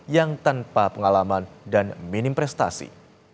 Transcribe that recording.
yang tanpa pengalaman dan minim prestasi